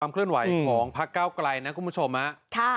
ความเคลื่อนไหวของภักดิ์เก้าไกลนะคุณผู้ชมค่ะ